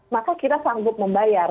maka kita sanggup membayar